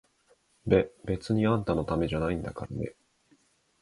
べ、別にあんたのためじゃないんだからね！